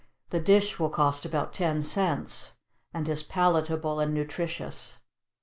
The dish will cost about ten cents, and is palatable and nutritious.